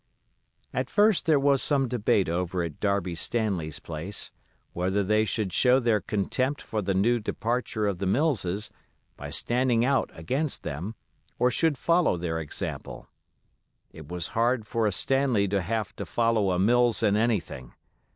At first there was some debate over at Darby Stanley's place, whether they should show their contempt for the new departure of the Millses, by standing out against them, or should follow their example. It was hard for a Stanley to have to follow a Mills in anything.